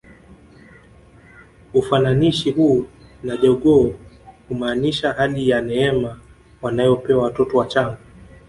Ufananishi huu na jogoo humaanisha hali ya neema wanayopewa watoto wachanga